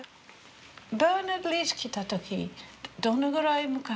バーナード・リーチ来た時どのぐらい昔？